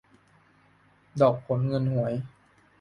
ดอกผลเงินหวย